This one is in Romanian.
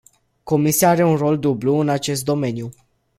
Comisia are un rol dublu în acest domeniu.